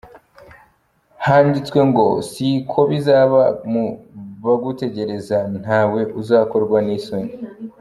Handitswe ngo ‘’ Si ko bizaba, mu bagutegereza nta we uzakorwa n’isoni.